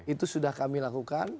itu sudah kami lakukan